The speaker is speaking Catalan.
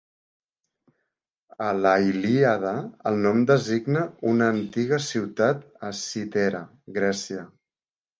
A la Ilíada el nom designa una antiga ciutat a Citera, Grècia.